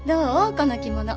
この着物。